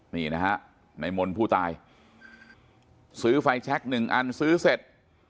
นี่นะฮะนายมนตร์ผู้ตายซื้อไฟแชค๑อันซื้อเสร็จ